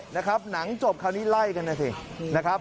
นะครับหนังจบคราวนี้ไล่กันนะสินะครับ